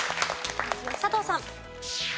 佐藤さん。